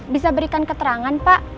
bisa berikan keterangan pak